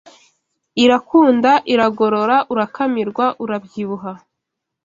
Irakunda iragorora Urakamirwa urabyibuha